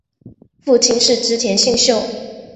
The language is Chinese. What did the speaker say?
父亲是织田信秀。